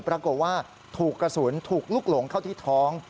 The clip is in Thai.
ปรากฏว่าถูกกระสุนถูกลุกหลงเข้าที่ท้อง